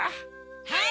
はい！